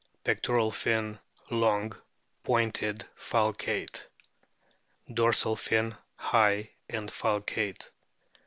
Pectoral fin long, pointed, falcate ; dorsal fin high and falcate.